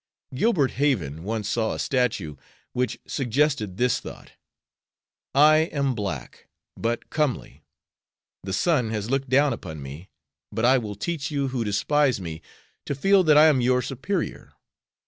Gilbert Haven once saw a statue which suggested this thought, 'I am black, but comely; the sun has looked down upon me, but I will teach you who despise me to feel that I am your superior.'